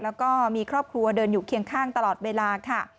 แล้วก็มีครอบครัวเดินอยู่เคียงข้างตลอดเวลาค่ะ